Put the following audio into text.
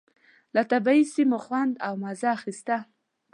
له طبعي سیمو خوند او مزه اخيسته.